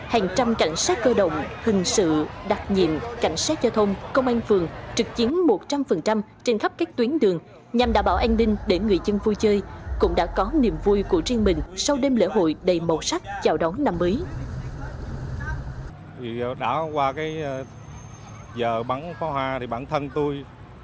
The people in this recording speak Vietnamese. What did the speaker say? hàng trăm cảnh sát cơ động hình sự đặc nhiệm cảnh sát giao thông công an phường trực chiến một trăm linh trên khắp các tuyến đường nhằm đảm bảo an ninh để người dân vui chơi cũng đã có niềm vui của riêng mình sau đêm lễ hội đầy màu sắc chào đón năm mới